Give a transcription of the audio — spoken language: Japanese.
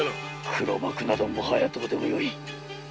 黒幕などどうでもよい。